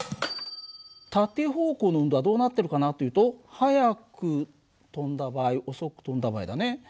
縦方向の運動はどうなっているかなというと速く飛んだ場合遅く飛んだ場合だね。